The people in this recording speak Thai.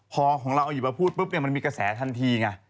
พอของเราเอาอยู่มาพูดปุ๊บมันมีกระแสทันทีไง